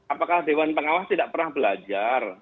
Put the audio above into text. apakah dewan pengawas tidak pernah belajar